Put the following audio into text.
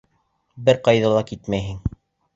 Бер ҡайҙа ла китмәйһең!